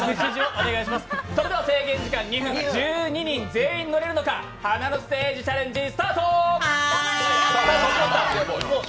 それでは制限時間２分、１２人全員乗れるのか、華のステージチャレンジスタート！